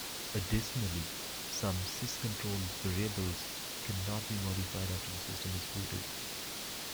Additionally, some sysctl variables cannot be modified after the system is booted.